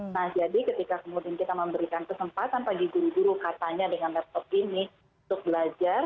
nah jadi ketika kemudian kita memberikan kesempatan bagi guru guru katanya dengan laptop ini untuk belajar